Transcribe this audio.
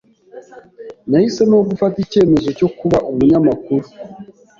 Nahisemo gufata icyemezo cyo kuba umunyamakuru.